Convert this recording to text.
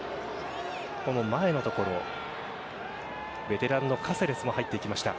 この前のところベテランのカセレスも入っていきました。